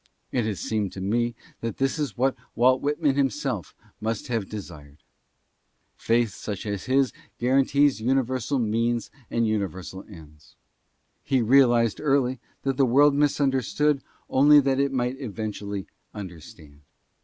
It has seemed to me that this is what Walt Whitman himself must most have de sired. Faith such as his guarantees universal means and universal ends. He realized early that the world misunderstood only that it might eventually understand.